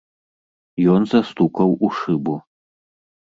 Ён застукаў у шыбу.